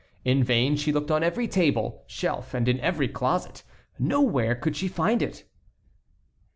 In vain she looked on every table, shelf, and in every closet; nowhere could she find it.